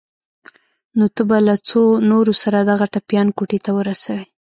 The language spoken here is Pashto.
نو ته به له څو نورو سره دغه ټپيان کوټې ته ورسوې.